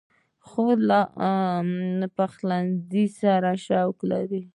خور له پخلنځي سره شوق لري.